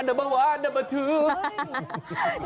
อันดับวันอันดับทูฮ่าฮ่าฮ่าฮ่า